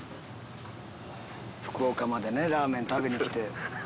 福岡までラーメン食べに来て。